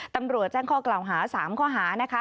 ตำรวจแจ้งข้อกล่าวหา๓ข้อหานะคะ